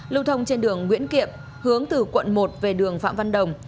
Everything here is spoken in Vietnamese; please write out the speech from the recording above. năm mươi bốn năm trăm bảy mươi lưu thông trên đường nguyễn kiệm hướng từ quận một về đường phạm văn đồng